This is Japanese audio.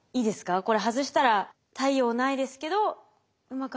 これ外したら太陽ないですけどうまく発電できてれば。